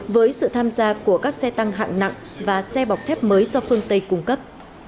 với sự tham gia của các xe tăng hạng nặng và xe bọc thép mới do phương tây cung cấp